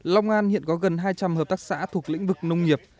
long an hiện có gần hai trăm linh hợp tác xã thuộc lĩnh vực nông nghiệp